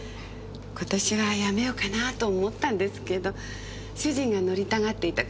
今年はやめようかなぁと思ったんですけど主人が乗りたがっていた